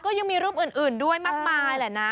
ก็ยังมีรูปอื่นด้วยมากมายแหละนะ